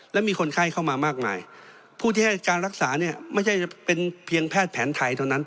และมีคนไข้เข้ามามากมายผู้ที่ให้การรักษาเนี่ยไม่ใช่เป็นเพียงแพทย์แผนไทยเท่านั้น